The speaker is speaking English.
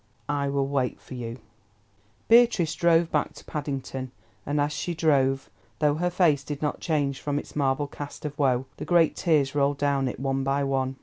I WILL WAIT FOR YOU Beatrice drove back to Paddington, and as she drove, though her face did not change from its marble cast of woe the great tears rolled down it, one by one.